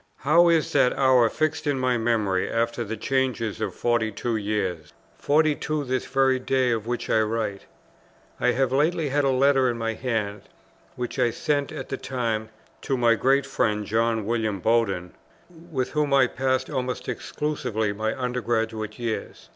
How is that hour fixed in my memory after the changes of forty two years, forty two this very day on which I write! I have lately had a letter in my hands, which I sent at the time to my great friend, John William Bowden, with whom I passed almost exclusively my Under graduate years.